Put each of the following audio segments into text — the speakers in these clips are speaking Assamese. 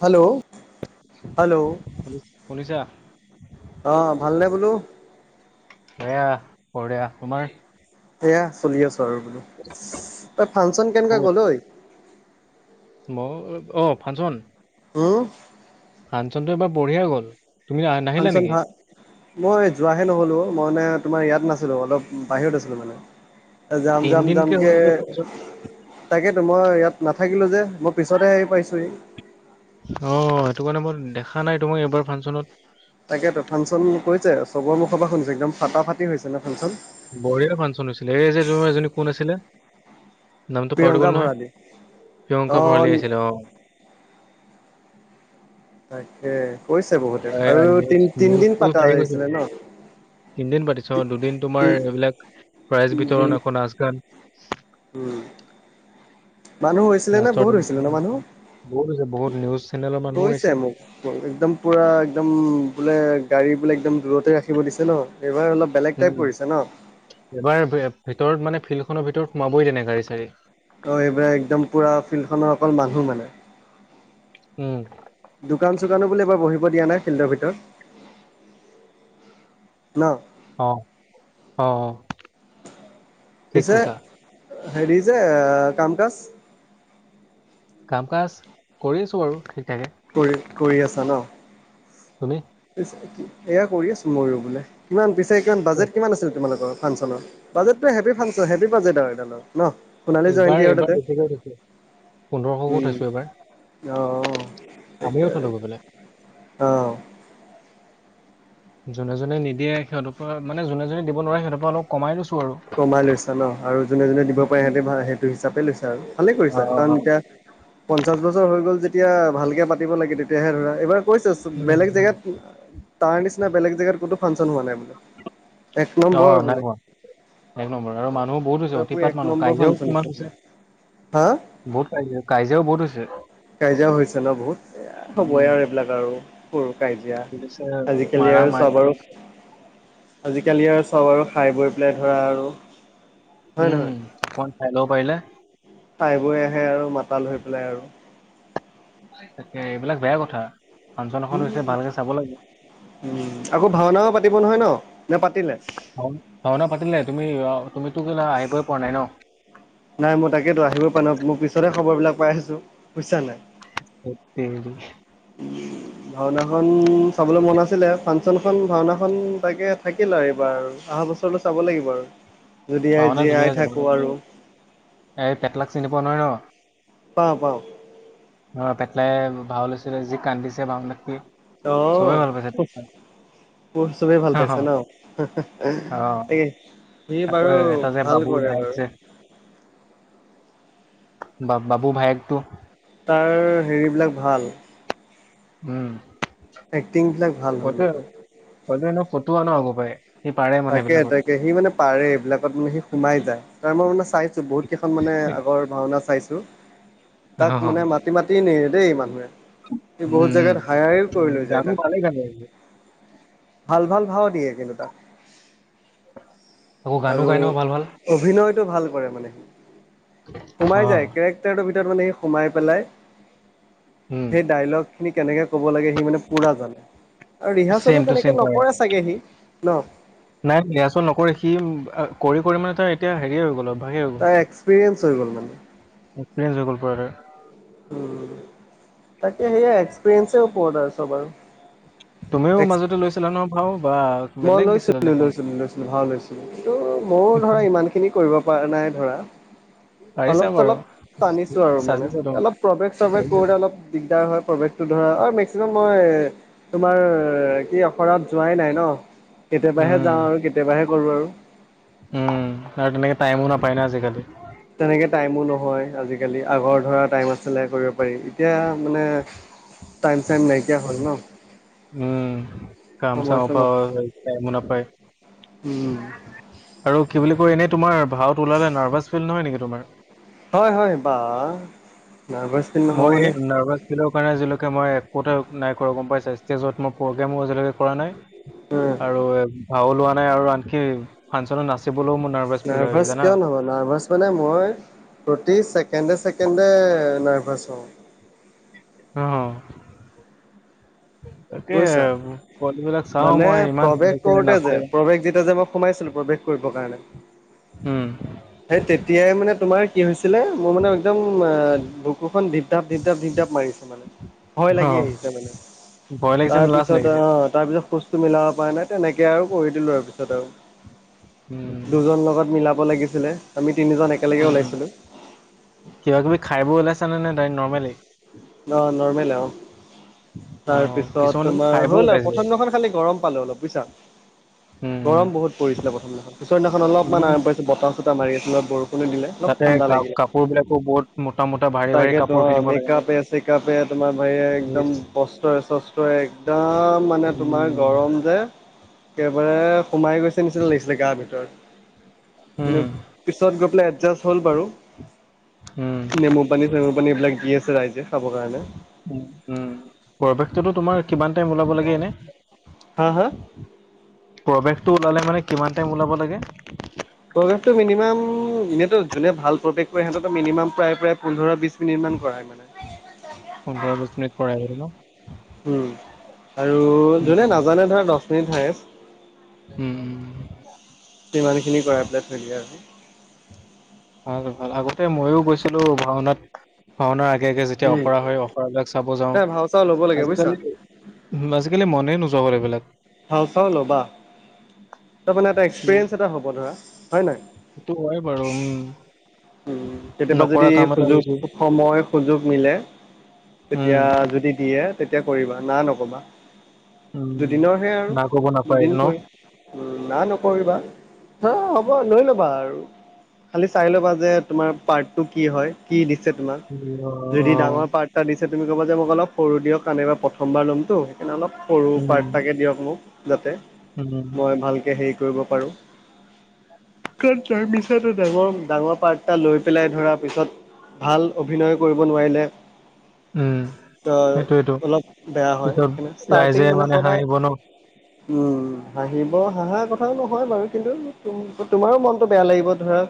হেল্ল' হেল্ল' শুনি শুনিছা অ' ভালনে বোলো এয়া বঢ়িয়া তোমাৰ? এইয়া চলি আছো আৰু ঐ ফাংচন কেনেকুৱা গ'ল ঐ। অ 'অ' ফাংচন উম। ফাংচনতটো এবাৰ বঢ়িয়া গ'ল। তুমি আহ- নাহিলা ফাংচন নেকি ভাল। মই যোৱাহে নহ'লোঁ। মই মানে তোমাৰ ইয়াত নাছিলোঁ অলপ বাহিৰত আছিলোঁ মানে। জাম জাম জাম তিনদিনকে কে। হৈছে ফাংচন তাকেতো মই ইয়াত নাথাকিলোঁ যে মই পিছতহে হেৰি পাইছোঁহি। অ' সেইটো কাৰণে মই দেখা নাই তোমাক এইবাৰ ফাংচনত। তাকেতো ফাংচন কৈছে চবৰ মুখৰ পৰা শুনিছে একদম ফটা ফাটি হৈছে নে ফাংচন বঢ়িয়াৰ ফাংচন হৈছিলে এই যে এজনী কোন আছিলে। নামটো পাহটো প্ৰিয়ংকা গ'ল নহয় ভৰালী অ প্ৰিয়ংকা ভৰালী আহিছিলে অ' তাকে কৈছে বহুতে এয়া আৰু নিউজ তিন তিনদিন পাতা আহিছিলে ন' তিনিদিন পাতিছো তি অ' দুদিন তি তোমাৰ এইবিলাক প্ৰাইজ দুই বিতৰণ এখন নাচ গান। উম। মানুহ হৈছিলে নে লাষ্টৰ বহুত দিনা হৈছিলে ন মানুহ বহুত হৈছে বহুত নিউজ চেনেলৰ মানুহো কৈছে আহিছে মোক। একদম পুৰা একদম বোলে গাড়ী বোলে একদম দূৰতে ৰাখিব দিছে ন এইবাৰ অলপ। বেলেগ টাইপ উম পৰিছে ন' এবাৰ ভিতৰত মানে ফিল্ডখনৰ ভিতৰত সোমাবই দিয়া নাই গাড়ী চাড়ী। অ' এইবিলাক একদম পুৰা ফিল্ড খনৰ অকল মানুহ মানে। উম, দোকান -চোকানো বোলে এইবাৰ বহিব দিয়া নাই ফিল্ডৰ ভিতৰত? ন? অ', অ', অ', পিছে হেৰি যে এ কাম কাজ কাম কাজ কৰি আছোঁ বাৰু ঠিক ঠাকে। কৰি-কৰি আছা ন'? শুনে এয়া কৰি আছো মইও বোলে কিমান পিছে কিমান ক'ত? বাজেট কিমান আছিল তোমালোকৰ? ফাংচৰ বাজেটটো হেবি ফাংচন হেবি বাজেট আৰু এটা ন' ন? সোণালী এইবাৰ জয়ন্তী আৰু এইবাৰ তাতে বেছিকৈ থৈছোঁ। উম, থৈছোঁ এইবাৰ। অ। আমিও থলো গৈ পেলে। অ', যোনে- যোনে নিদিয়ে সিহঁতৰ পৰা মান যোনে দিব নোৱাৰে সিহঁৰ পৰা অলপ কমাই লৈছোঁ। আৰু। কমাই লৈছা ন' আৰু যোনে -যোনে দিব পাৰে সিহঁতে সেইটো হিচাপে লৈছা আৰু ভালে অ, কৰিছা অ, অ। কাৰণ এতিয়া পঞ্চাশ বছৰ হৈ গ'ল যেতিয়া ভালকে পাতিব লাগে তেতিয়াহে ধৰা এইবাৰ কৈছোঁচোন উম, বেলেগ উম। জেগাত তাৰ নিচিনা বেলেগ জেগাত কোনো ফাংচন হোৱা নাই বোলে। এক অ, নম্বৰ নাই বোলে। কমা। এক নম্বৰ আৰু মানুহো বহুত হৈছে পুৰা পুৰি এক অতিপাত মানুহ নম্বৰ কাইজিয়াও ফাংচন কিমান বোলে হৈছে। হা বহুত কাজিয়া কাইজাও বহুত হৈছে। কাজিয়াও হৈছে ন' বহুত এ আৰ হ'বই উম। আৰু এইবিলাক আৰু সৰু কাজিয়া। পুলিচে আজিকালি আৰু মাৰা-মাৰি চব আৰু কৰিছে। আজিকালি আৰু চব আৰু খাই বৈ পেলাই ধৰা আৰু হয় নহয় উম, অকমান খাই লব পাৰিলে। তাই বৈ আহে আৰু মাতাল হৈ পেলাই আৰু। তাকে এইবিলাক বেয়া কথা। ফাংচন এখন হৈছে ভালকে চাব লাগে। উম-উম আকৌ ভাওনাও পাতিব নহয় ন' নে পাতিলে? ভাওনা পাতিলে তুমি তুমিটো কেলা আহিবৈ পৱা নাই ন! ! ! ! নাই মই তাকেতো আহিবও পাৰা নাই মোৰ পিছতেহ খবৰবিলাক পাই আছোঁ বুইছা নে নাই? এত তেৰি [unintelligible] ভাওনাখন চাবলৈ মন আছিলে ফাংচন খন ভাওনাখন তাকে থাকিল আৰু এইবাৰ আহা বছৰ [unintelligible] চাব লাগিব আৰু যদি এ ভাওনা ধুনীয়া জীয়াই হৈছে ভাওনা থাকো ধুনীয়া আৰু। হৈছে। এই পেটলাক চিনি পোৱা নহয় ন? পাওঁ- পাওঁ অহ, পেটলাই ভাও লৈছিলে যি কান্দিছে ভাও [unintelligible] অ', [unintelligible] মোৰ চবেই ভাল অ অ, পাইছে ন' অ। তাকে। সি আকৌ বাৰু এটা যে ভাল বাবুৰ কৰে ভায়েক বাৰু। যে বা -বাবু ভায়েকটো তাৰ হেৰিবিলাক ভাল। উম, এক্টিংবিলাক ভাল হয় মানে তাৰ। তই তো এনু ফতোৱা ন' আগৰ পাই। তাকে -তাকে সি মানে পাৰে এইবিলাকত মানে সি সোমাই যায় তাৰ মই মানে চাইছো বহুত কেইখন মানে আগৰ ভাওনা চাইছোঁ অহ, তাক অহ। মানে মাতি- মাতি নিয়ে দেই মানুহে সি বহুত উম জাগাত হায়াতেওঁ কৰিও উম লৈ যায় গানো তাক। ভালেই গান গাইছে ভাল- ভাল ভাও দিয়ে কিন্তু তাক। আকৌ গানো আৰু গাই ন ভাল ভাল অভিনয়টো ভাল কৰে মানে সি অ সোমাই যায় কেৰেক [unintelligible] ভিতৰত মানে সি সোমাই পেলাই উম সেই ডাইলগ খিনি কেনেকে ক'ব লাগে সি মানে পুৰা জানে আৰু ছেম ৰিহাৰ্চেলো টু ছেম তেনেকে পাৰে নকৰে চাগে সি। ন? নাই ৰিহাৰ্চেল নকৰে। সি কৰি কৰি মানে তাৰ এতিয়া হেৰি হৈ গ'ল অ। তাৰ এক্সপিৰিয়েঞ্চ হৈ গ'ল মানে। এক্সপিৰিয়েন্স হৈ গ'ল পুৰা তাৰ। উম তাকে সেইয়া এক্সপেৰিয়েন্ঞ্চৰ ওপৰত আৰু চব আৰু। তুমিও এক্স মাজতে লৈছিলা ন ভাও বা। মই বেলেগ দিছিলা লৈছিলো, দেখোন লৈছিলো, লৈছিলো ভাও লৈছিলো। কিন্তু মোৰ ধৰা ইমান খিনি কৰিব পৰা নাই ধৰা। পাৰিছা অলপ বাৰু চলপ টানিছো আৰু মানে। চাজিছে তোমাক অলপ প্ৰৱেশ চৱেশ চাজিছে কৰোতে অলপ দিগদাৰ হয়। প্ৰৱেশ টো ধৰা আৰু মেক্সিমাম মই তোমাৰ কি অখৰাত যোৱাই নাই ন। কেতিয়াবাহে উম যাওঁ আৰু কেতিয়াবাহে কৰো আৰু। উম কাৰণ তুমি টাইমো নাপায় ন আজি-কালি। তেনেকে টাইমো নহয় আজি-কালি। আগৰ ধৰা টাইম আছিলে কৰিব পাৰি এতিয়া মানে টাইম-চাইম নাইকিয়া হল ন। উম কাম সময় চাম পা চময় [unintelligible] নাপায়। উম। আৰু কি বুলি কয় এনেই তোমাৰ ভাওত ওলালে নাৰ্ভাচ ফিল নহয় নেকি তোমাৰ? হয় হয় বা নাৰ্ভাছ ফিল মই নহ'বনে নাৰ্ভাছ [unintelligible] কাৰণে আজিলৈকে মই একো এটাও নাই কৰা গম পাইছা। ষ্টেজত মই প্ৰগ্ৰেমো আজিলৈকে কৰা নাই। উম। আৰু ভাও লোৱা নাই আৰু আনকি ফাংচনত নাচ চি বলো মানে নাৰ্ভাছ কিয় নহয়? নাৰ্ভাছ মানে মই প্ৰতি ছেকেণ্ডে-ছেকেণ্ডে নাৰ্ভাছ হও। অ। তাকে বুজিছা। পোৱালীবিলাক চাও মানে মই ইমান প্ৰৱেশ তেনেকে কৰোতে যে নাচে। প্ৰৱেশ যেতিয়া যে মই সোমাইছিলো প্ৰৱেশ কৰিব কাৰণে, উম সেই তেতিয়াই মানে তোমাৰ কি হৈছিলে মোৰ মানে একদম বুকুখন ঢিপ-ঢাপ, ঢিপ-ঢাপ ঢিপ-ঢাপ মাৰিছে মানে। ভয় অ লাগি আহিছে মানে। ভয় লাগিছে নে লাজ তাৰপিছত লাগিছে আ তাৰ পিছত খোজটো মিলাব পৰা নাই, তেনেকে আৰু কৰি দিলো আৰু পিছত আৰু। উম দুজন লগত মিলাব লাগিছিলে। আমি তিনিজন এক উম কিবা-কিবি খাই বৈ ওলাইছানে নে ডাইৰেক নৰ্মেলি? অ নৰ্মেল আও। অ তাৰ পিছত কিছুমানে তোমাৰ খাই বৈ হ'ল আৰু ওলাইছে প্ৰথমদিনাখন খালি গৰম পালো অলপ বুইছা। উম উম গৰম বহুত পৰিছিলে প্ৰথম দিনাখন। পিছৰ দিনাখন অলপমান উম আৰাম পাইছো বতাহ-চতাহ মাৰি আছিল। অলপ বৰ দিলে অলপ তাতে ঠাণ্ডা কা লাগিলে। কাপোৰ বিলাকো বহুত মোটা মোটা ভাৰী ভাৰী তাকেটো কাপোৰ পিন্ধিব লাগে ন মেকআপে কিতাপে তোমাৰ ভাৰীয়ে একদম ইচ বস্ত্ৰৰে-চস্ত্ৰৰে একদম মানে তোমাৰ উম গৰম যে একেবাৰে সোমাই গৈছে নিচিনা লাগিছিলে গাৰ ভিতৰত, কিন্তু উম পিছত গৈ পেলাই এডজাষ্ট হ'ল বাৰু। উম নেমু পানী চেমু পানী এইবিলাক দি আছে ৰাইজে। হ'ব কাৰণে উম, উম পৰিৱেশটোতো তোমাৰ কিমান টাইম ওলাব লাগে এনে? হা হা প্ৰৱেশটো ওলালে মানে কিমান টাইম ওলাব লাগে? প্ৰৱেশটো মিনিমাম এনেতো যোনে ভাল প্ৰৱেশ কৰে শিহঁতেটো মিনিমাম প্ৰায় - প্ৰায় পোন্ধৰ বিছ নিৰ্মাণ কৰা হয় মানে। পোন্ধৰ বিশ মিনিট কৰাই কৰি ন? উম, আৰু উম, যোনে নাজানে ধৰা দছ মিনিট হায়েষ্ট। উম, উম। সিমানখিনি কৰাই পেলাই থৈ দিয়ে আজি। ভাল-ভাল আগতে মইয়ো গৈছিলো ভাওনাত। ভাওনাৰ আগে-আগে যেতিয়া উম অখৰা হয়, অখৰাবিলাক চাব যাও তই ভাও চাও ল'ব লাগে বুজিছা আজিকালিত আজিকালি মনেই নোযাৱা এইবিলাক। ভাও চাও ল'বা তাৰ মমানে এটা এক্সপিৰিয়েঞ্চ এটা হ'ব ধৰা হয় নাই। সেইটো হয় বাৰু উম, উম, কেতিয়াবা যদি নকৰা কাম এটা সুযোগ হৈছে। সময় সুযোগ মিলে উম, তেতিয়া যদি দিয়ে তেতিয়া কৰিবা না নকবা। দুদিনৰহে উম। আৰু না ক'ব নাপায় দুদিন ন? কৰি উম, না নকৰিবা হা হ'ব লৈ ল'বা আৰু খালি চাই ল'বা। যে তোমাৰ পাৰ্টটো কি হয় কি দিছে তোমাৰ যদি অ', ডাঙৰ পাৰ তাৰ দিছে তুমি ক'ব যে মোক অলপ সৰু দিয়ক আনেবা প্ৰথমবাৰ ল'মতো। একাৰ অলপ সৰু উম, পাৰ্তাকে দিয়ক মোক যাতে উম, মই ভালকে হেৰি কৰিব পাৰো। তই মিছা ডাঙৰ-ডাঙৰ, পাৰ্ট এটা লৈ পেলাই ধৰা পিছত ভাল অভিনয় কৰিব নোৱাৰিলে উম। ত, সেইটোৱেটো অলপ বেয়া হয় পিছত সেইকাৰনে ৰাইজে ষ্টাৰ্টিং মানে সদায় হাঁহিব ন? উম, হাহিলে হাহাৰ কথাও নহয় বাৰু কিন্তু তোমাৰো মনটো বেয়া লাগিব ধৰা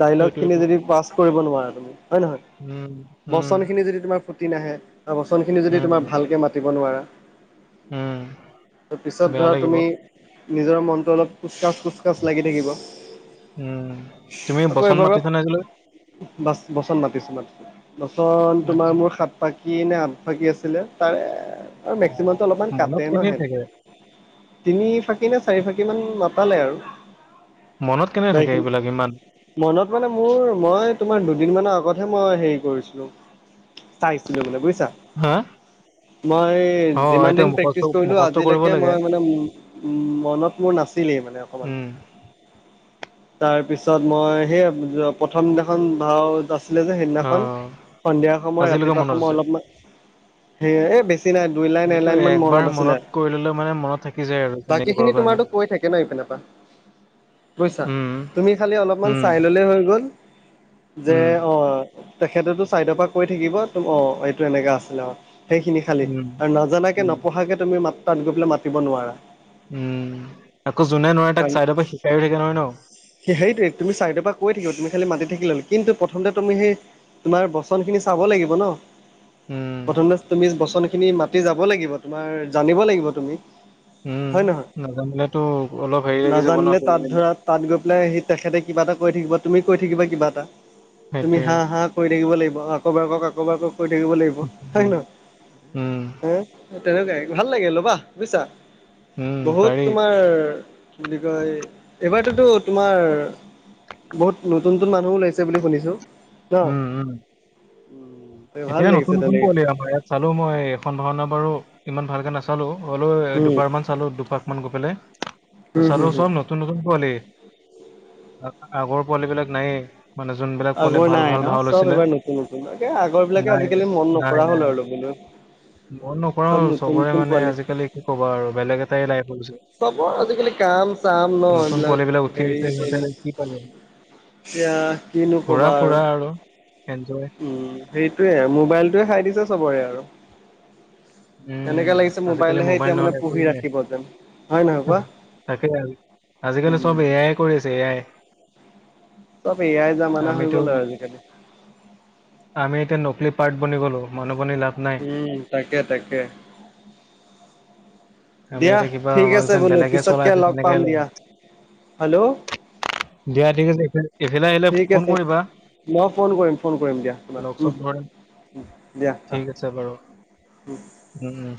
ডাইলগ খিনি সেইটোৱেটো। যদি পাছ কৰিব নোৱাৰা তুমি হয় নহয় উম, উম, বচন খিনি যদি তোমাৰ ফ ফুটি নাহে বা বাচনখিনি যদি তোমাৰ উম, ভালকে অ, মাতিব নোৱাৰা। উম। ত পিছত বেয়া ধৰা লাগিব। তুমি নিজৰ মনটো অলপ কোচকাচ-কোচকাচ লাগি থাকিব। উম, তুমি আকৌ বচন এবাৰ পৰা মাতিছা নে আজিলৈ? বা বচন মাতিছো-মাতিছোঁ বচন তোমাৰ মাতিছা। মোৰ সাত পাক কি নে আনফাকি আছিলে তাৰে আৰু অ', মেক্সিমামটো অলপমান মনত কাটে ন কেনে সেন থাকে? তিনি ফাকি নে চাৰি ফাকি মান মাতালে আৰু। মনত কেনে থাকে বাকীখিনি এইবিলাক ইমান। মনত মানে মোৰ মই তোমাৰ দুদিন মানৰ আগতহে মই হেৰি কৰিছিলো। চাইছিলো মানে বুজিছা। হা? মই অ', যিমান এইটো দিন মুখস্থ প্ৰেক্টিচ কৰিলো মুখস্থ কৰিব আজিলৈকে লাগে। মই মানে উম, মনত মোৰ নাছিলেই মানে অকমানো উম, তাৰপিছত মই সেই প্ৰথম দিনাখন ভাওত আছো। আছিল যে সেইদিনাখন অ', সন্ধিয়া সময় আজিলৈকে ৰাতিপুৱা মনত সময় আছে। অলপমান স এ বেছি নাই। দুই লাইন এ এইটোৱে লাইন মান একবাৰ মনত আছিলে আৰু কৰি ল'লে মানে মনত থাকি যায় আৰু বাকী তেনেবোৰৰ খিনি কাৰণে। তোমাৰতো কৈ থাকে ন ইপিনৰ পৰা। বুইছা উম, তুমি খালি অলপমান উম, চাই ললে হৈ গল, যে উম, অ, অ, তেখেতেতো চাইডৰ পৰা কৈ থাকিব তো অ, এইটো এনেকা আছিলে অ, সেইখিনি খালী উম, আৰু নাজানাকে উম, নপঢ়াকে তুমি মাত তাত গৈ পেলাই মাতিব নোৱাৰা। উম, আকৌ যোনে নোৱাৰে তাক চাইডৰ পৰা শিকাই থাকে নহয় ন? সেই-সেইটোৱে, তুমি চাইদৰ পৰা কৈ থাকিব, তুমি খালী মাতি থাকিল হল কিন্তু প্ৰথমতে তুমি সেই তোমাৰ বচনখিনি চাব লাগিব ন। উম, প্ৰথমে তুমি বচনখিনি মাতি যাব লাগিব, তোমাৰ জানিব লাগিব তুমি? উম, হয় নহয়? নাজানিলেতো অলপ হেৰি লাগি যাব নাজানিলে তাত ন। ধৰা তাত গৈ পেলাই সি তেখেতে কিবা এটা কয় থাকিব, তুমি কৈ থাকিবা কিবা এটা তুমি সেইটোৱে। হা হা, কৰি থাকিব লাগিব আকৌ এবাৰ কওক আকৌ এবাৰ কওক কৈ থাকিব লাগিব হয় উম। নহয়? উম। অ, তেনেকুৱাই ভাল লাগিল ল'বা বুজিছা? উম, বহুত পাৰি। তোমাৰ কি বুলি কয় এইবাৰতোতো তোমাৰ বহুত নতুন নতুন মানুহো ওলাইছে বুলি শুনিছোঁ? ন উম, উম। ভাল এতিয়া লাগিছে নতুন-নতুন তেনেকে পোৱালী আমাৰ ইয়াত। চালো মই এখন ভাওনা বাৰু ইমান ভালকে নাচালো হ'লো উম, দুবাৰ মান চালো দুবাৰ মান গৈ পেলাই, উম, হম, চালো হম। চব নত নতুন নতুন পোৱালি, আগৰ পোৱালীবিলাক নায়েই। মানে যোনবিলাক পোৱালিয়ে ভাল ভাল ভাও লৈছিল। কোন কোনাকে আগ আগৰবিলাকে আজিকালি মন নাই নকৰা হল নাই, আৰু বিনয় মন উম নকৰাও চব নতুন চবৰে নতুন মানে পোৱালি। আজিকালি কি ক'বা আৰু বেলেগ এটাই লাইফ হলোঁ যে। চবৰ আজিকালি কাম- চাম ন নতুন পোৱালি এইবিলাক বিলাক উঠি আহিছে হেৰি সিহঁতে হেৰি। কি পাৰিব, এতিয়া কিনো ক'বা আৰু। এঞ্জয়। উম সেইটোয়ে, মোবাইলটোৱে খাই দিছে চবৰে আৰু। তেনেকে উম, লাগিছে আজিকালি মোবাইলেহে মোবাইল এতিয়া মানে নহ'লে পুহি একোৱেই নাই। ৰাখিব যেন হয় নে নহয় কোৱা? তাকে, আজিকালি চব উম, এ আই কৰি আছে এ আই। চব এ আই যামানা হৈ আমিতো গ'ল আৰু আজিকালি। আমি এতিয়া নকলি পাৰ্ট বনি গ'লো, মানুহ বনি লাভ নাই উম তাকে তাকে। আমি দিয়া এতিয়া কিবা ঠিক আমাক আছে যেন বোলো বেলেগে চলাই পিছতকে আছে লগ পাম তেনেকাই লাগে দিয়া, হেল্ল'! দিয়া ঠিক আছে, এইফা - এইফালে আহিলে ঠিক ফোন আছে কৰিবা? মই ফোন কৰিম ফোন কৰিম দিয়া লগ তোমাৰ চগ ধৰিম উম দিয়া ঠিক আছে বাৰু আহ। উম। উম উম।